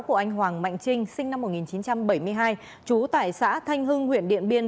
của anh hoàng mạnh trinh sinh năm một nghìn chín trăm bảy mươi hai trú tại xã thanh hưng huyện điện biên